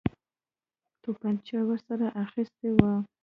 توپنچه ورسره اخیستې وه.